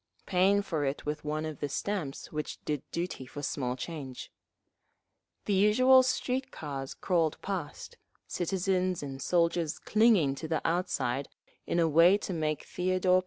paying for it with one of the stamps which did duty for small change. The usual street cars crawled past, citizens and soldiers clinging to the outside in a way to make Theodore P.